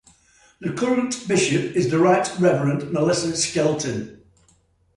The current Bishop is the Right Reverend Melissa Skelton.